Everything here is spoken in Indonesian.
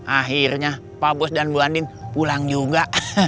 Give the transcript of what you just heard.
akhirnya pak bos dan bu andin pulang juga